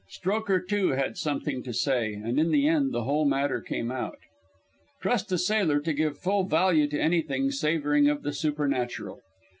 Strokher, too, had something to say, and in the end the whole matter came out. Trust a sailor to give full value to anything savouring of the supernatural.